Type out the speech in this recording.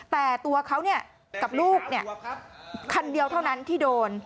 แต่ตัวเขากับลูกคันเดียวเท่านั้นที่โดน